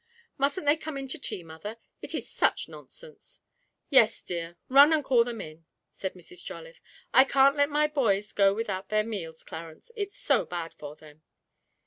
'Mustn't they come in to tea, mother? It is such nonsense!' 'Yes, dear, run and call them in,' said Mrs. Jolliffe. 'I can't let my boys go without their meals, Clarence, it's so bad for them.'